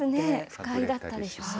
不快だったでしょうね。